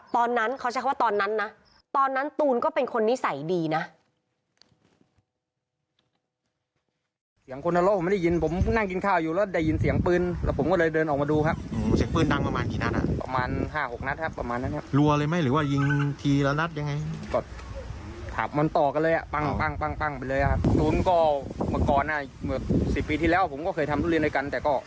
ตอนนั้นเขาใช้คำว่าตอนนั้นนะตอนนั้นตูนก็เป็นคนนิสัยดีนะ